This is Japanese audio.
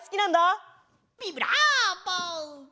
ビブラーボ！